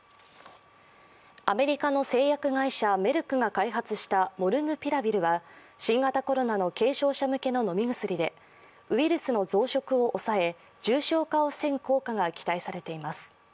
アメリカの製薬会社、メルクが開発したモルヌピラビルは新型コロナの軽症者向けの飲み薬でウイルスの増殖を抑え重症化を防ぐ効果が期待されています。